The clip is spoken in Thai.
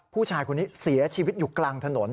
ผู้ชายคนนี้เสียชีวิตอยู่กลางถนน